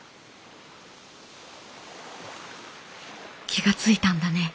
「気が付いたんだね。